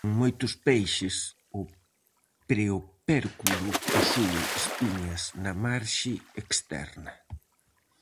En moitos peixes, o preopérculo posúe espiñas na marxe externa.